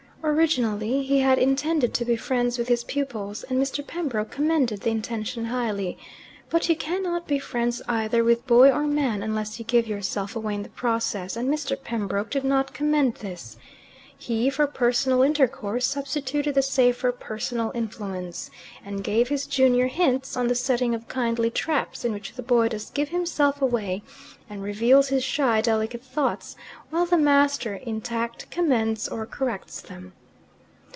Originally he had intended to be friends with his pupils, and Mr. Pembroke commended the intention highly; but you cannot be friends either with boy or man unless you give yourself away in the process, and Mr. Pembroke did not commend this. He, for "personal intercourse," substituted the safer "personal influence," and gave his junior hints on the setting of kindly traps, in which the boy does give himself away and reveals his shy delicate thoughts, while the master, intact, commends or corrects them.